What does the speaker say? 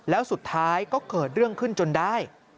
แล้วสุดท้ายก็เกิดเรื่องขึ้นจนได้